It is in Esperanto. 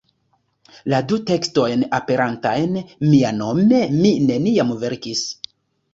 La du tekstojn aperantajn mianome mi neniam verkis!